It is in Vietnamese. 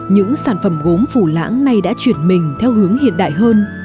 những sản phẩm gốn phủ lãng này đã chuyển mình theo hướng hiện đại hơn